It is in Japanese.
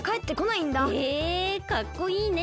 へえかっこいいね。